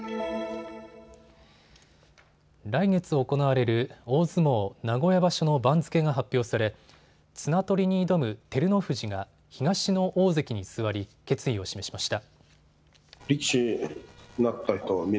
来月行われる大相撲名古屋場所の番付が発表され綱とりに挑む照ノ富士が東の大関に座り、決意を示しました。